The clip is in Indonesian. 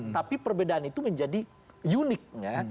tapi perbedaan itu menjadi unik ya